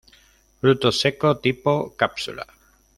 Fruto seco, tipo cápsula.